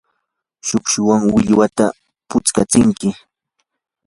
shukshuwan millwata putskantsik.